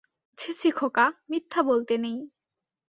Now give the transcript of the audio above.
ছি ছি খোকা, মিথ্যা বলতে নেই।